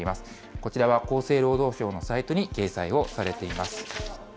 こちらは厚生労働省のサイトに掲載をされています。